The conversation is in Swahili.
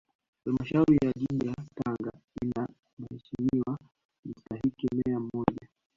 Halmashauri ya Jiji la Tanga ina Mheshimiwa Mstahiki Meya mmoja